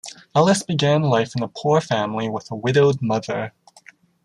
Ellis began life in a poor family with a widowed mother.